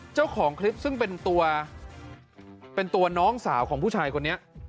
เจ้าของคลิปซึ่งเป็นตัวเป็นตัวน้องสาวของผู้ชายคนนี้